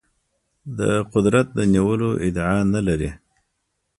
د قدرت د نیولو ادعا نه لري.